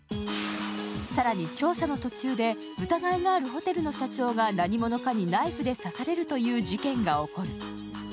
更に、調査の途中で疑いがあるホテルの社長が何者かにナイフで刺されるという事件が起こる。